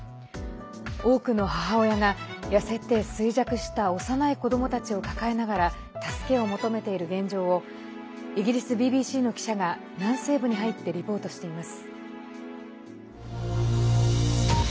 多くの母親が痩せて、衰弱した幼い子どもたちを抱えながら助けを求めている現状をイギリスＢＢＣの記者が南西部に入ってリポートしています。